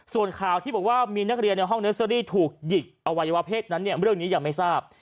ส่วนข่าวที่บอกว่ามีนักเรียนในห้องเนอร์เซอรี่ถูกหยิกอวัยวะเพศนั้นเนี่ยเรื่องนี้ยังไม่ทราบ